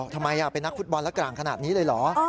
ทำไมเป็นนักฟุตบอลแล้วกลางขนาดนี้เลยเหรอ